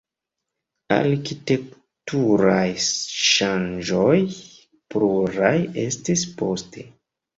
Arkitekturaj ŝanĝoj pluraj estis poste.